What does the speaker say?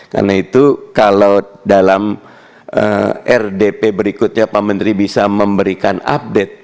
karena itu kalau dalam rdp berikutnya pak menteri bisa memberikan update